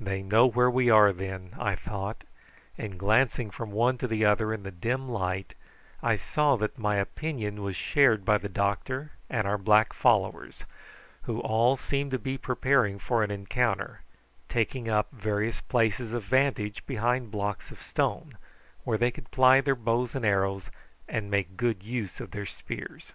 They know where we are then, I thought; and glancing from one to the other in the dim light I saw that my opinion was shared by the doctor and our black followers, who all seemed to be preparing for an encounter, taking up various places of vantage behind blocks of stone, where they could ply their bows and arrows and make good use of their spears.